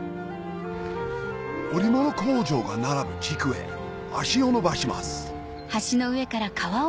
織物工場が並ぶ地区へ足を延ばします